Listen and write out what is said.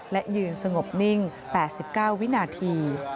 และยืนสงบนิ่ง๘๙วินาที